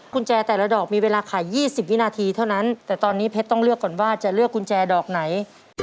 คุณแจแต่ละดอกมีเวลาขาย๒๐วินาทีเท่านั้นแต่ตอนนี้เพชรต้องเลือกก่อนว่าจะเลือกกุญแจดอกไหน